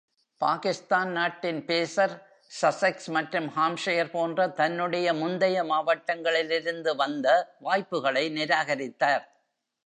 பாகிஸ்தான் நாட்டின் பேசர், சசக்ஸ் மற்றும் ஹாம்ப்ஷையர் போன்ற தன்னுடைய முந்தைய மாவட்டகளிலிருந்து வந்த வாய்ப்புகளை நிராகரித்தார்.